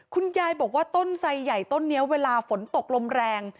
คุณยายบอกว่าต้นไซใหญ่ต้นนี้เวลาฝนตกลมแรง